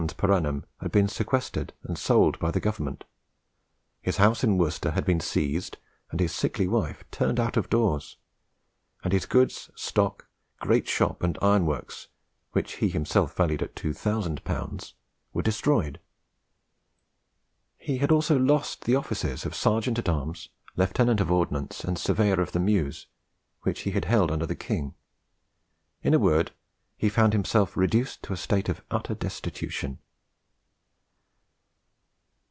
per annum had been sequestrated and sold by the government; his house in Worcester had been seized and his sickly wife turned out of doors; and his goods, stock, great shop, and ironworks, which he himself valued at 2000L., were destroyed. He had also lost the offices of Serjeant at arms, Lieutenant of Ordnance, and Surveyor of the Mews, which he had held under the king; in a word, he found himself reduced to a state of utter destitution.